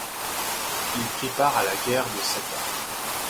Il prit part à la Guerre de Sept Ans.